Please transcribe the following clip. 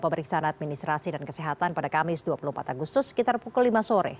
pemeriksaan administrasi dan kesehatan pada kamis dua puluh empat agustus sekitar pukul lima sore